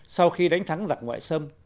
sau khi đánh thắng giặc ngoại sâm